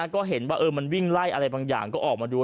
ก็เห็นว่ามันวิ่งไล่อะไรบางอย่างก็ออกมาดู